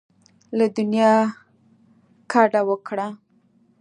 له دنیا کډه وکړه.